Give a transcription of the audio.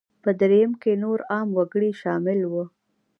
په درېیم کې نور عام وګړي شامل وو.